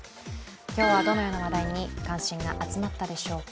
今日は、どのような話題に関心が集まったでしょうか。